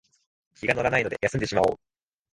気が乗らないので休んでしまおう